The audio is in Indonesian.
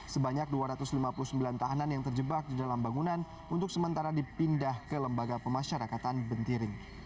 sebanyak dua ratus lima puluh sembilan tahanan yang terjebak di dalam bangunan untuk sementara dipindah ke lembaga pemasyarakatan bentiring